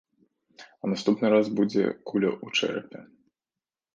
А наступны раз будзе куля ў чэрапе.